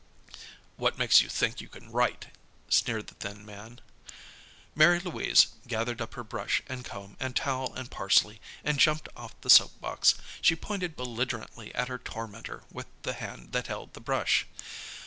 "What makes you think you can write?" sneered the thin man. Mary Louise gathered up her brush, and comb, and towel, and parsley, and jumped off the soap box. She pointed belligerently at her tormentor with the hand that held the brush.